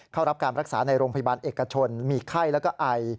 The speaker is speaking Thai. เข้ารับการรักษาในโรงพยาบาลเอกชนมีไข้แล้วก็ไอ